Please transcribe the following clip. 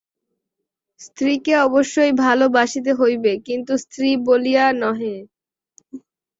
স্ত্রীকে অবশ্যই ভালবাসিতে হইবে, কিন্তু স্ত্রী বলিয়া নহে।